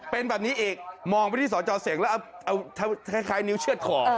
เป็นแบบนี้อีกมองไปที่สจเสกแล้วเอาคล้ายนิ้วเชื่อดคอ